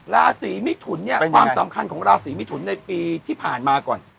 ราศีมิถุนเนี่ยความสำคัญของราศีมิถุนในปีที่ผ่านมาก่อน